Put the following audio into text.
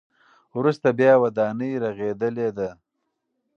وروسته بیا ودانۍ رغېدلې ده.